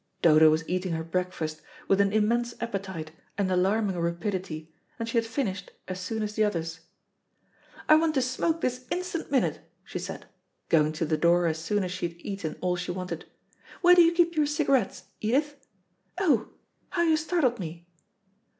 Dodo was eating her breakfast with an immense appetite and alarming rapidity, and she had finished as soon as the others. "I want to smoke this instant minute," she said, going to the door as soon as she had eaten all she wanted. "Where do you keep your cigarettes, Edith? Oh, how you startled me!"